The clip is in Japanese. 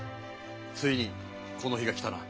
ついにこの日が来たな。